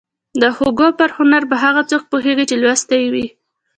د هوګو پر هنر به هغه څوک پوهېږي چې لوستی يې وي.